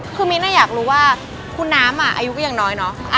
คือมิ้นอยากรู้ว่าคุณน้ำอายุก็ยังน้อยเนอะ